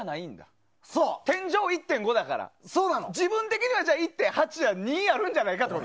天井１．５だから自分的には２あるんじゃないかと。